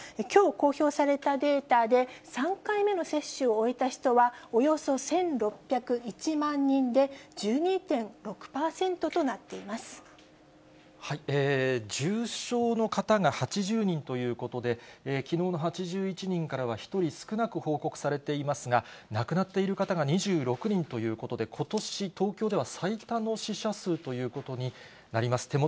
きょう公表されたデータで、３回目の接種を終えた人はおよそ１６０１万人で、１２．６％とな重症の方が８０人ということで、きのうの８１人からは１人少なく報告されていますが、亡くなっている方が２６人ということで、ことし、東京では最多の死者数ということになります。